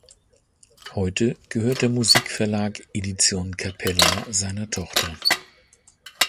Heute gehört der Musikverlag Edition Capella seiner Tochter.